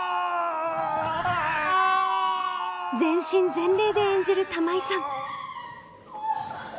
全身全霊で演じる玉井さん。